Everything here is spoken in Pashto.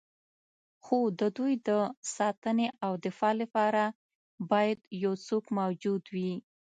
خو د دوی د ساتنې او دفاع لپاره باید یو څوک موجود وي.